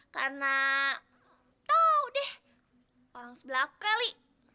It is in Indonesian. karena tau deh orang sebelah aku kali